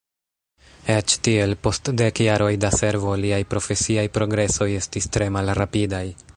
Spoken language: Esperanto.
Eĉ tiel, post dek jaroj da servo, liaj profesiaj progresoj estis tre malrapidaj.